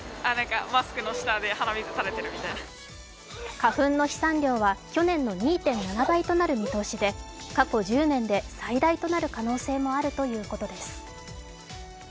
花粉の飛散量は去年の２．７倍となる見通しで過去１０年で最大となる可能性もあるということです。